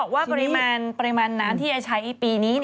เขาบอกว่าริมันปริมาณน้ำที่จะใช้ปีนี้